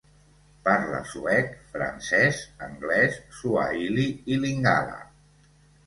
Parla suec, francès, anglès, suahili i lingala.